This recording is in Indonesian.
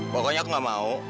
pokoknya aku gak mau